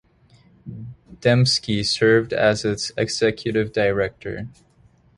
Dembski served as its Executive Director.